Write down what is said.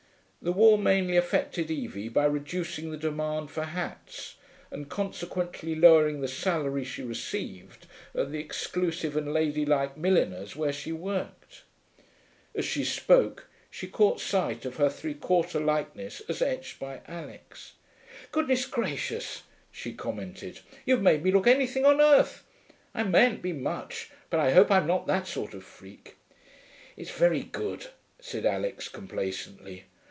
The war mainly affected Evie by reducing the demand for hats, and consequently lowering the salary she received at the exclusive and ladylike milliner's where she worked. As she spoke she caught sight of her three quarter likeness as etched by Alix. 'Goodness gracious,' she commented. 'You've made me look anything on earth! I mayn't be much, but I hope I'm not that sort of freak.' 'It's very good,' said Alix complacently.